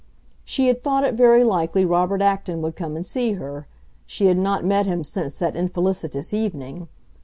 She had thought it very likely Robert Acton would come and see her; she had not met him since that infelicitous evening.